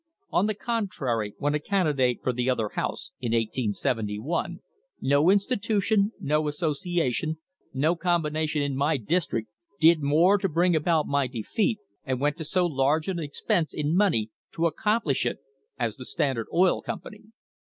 On the contrary, when a candidate for the other House in 1871, no institution, no association, no combination in my district did more to bring about my defeat and went to so large an expense in money to accomplish it as the Standard Oil Company.